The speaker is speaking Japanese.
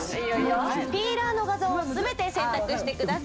さあピーラーを全て選択してください。